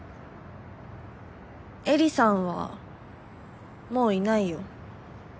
絵里さんはもういないよ。